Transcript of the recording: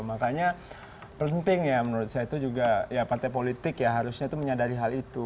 makanya penting ya menurut saya itu juga ya partai politik ya harusnya itu menyadari hal itu